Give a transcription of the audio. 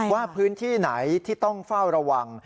ว่าพื้นที่ไหนที่ต้องเฝ้าระวัง